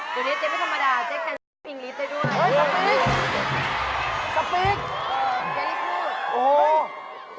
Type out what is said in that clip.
เดี๋ยวนี้เจ๊ไม่ธรรมดาเจ๊แค่พลิปอิงกลีชได้ด้วย